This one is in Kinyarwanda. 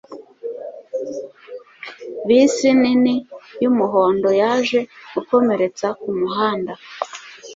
bisi nini, yumuhondo yaje gukomeretsa mumuhanda